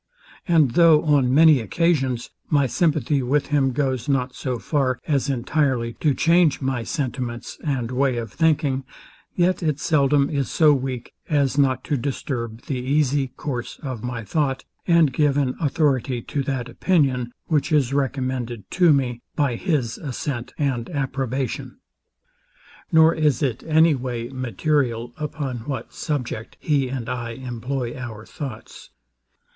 And though, on many occasions, my sympathy with him goes not so far as entirely to change my sentiments, and way of thinking; yet it seldom is so weak as not to disturb the easy course of my thought, and give an authority to that opinion, which is recommended to me by his assent and approbation. Nor is it any way material upon what subject he and I employ our thoughts.